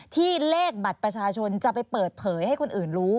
เลขบัตรประชาชนจะไปเปิดเผยให้คนอื่นรู้